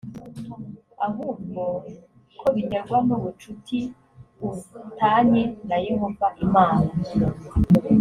ahubwo ko biterwa n ubucuti u tanye na yehova imana